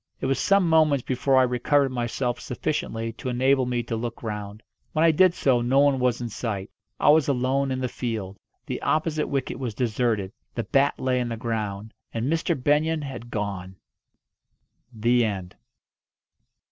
It was some moments before I recovered myself sufficiently to enable me to look round. When I did so no one was in sight. I was alone in the field. The opposite wicket was deserted. The bat lay on the ground. And Mr. Benyon had gone! THE END.